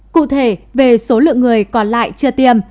cụ thể về số lượng người còn lại chưa tiêm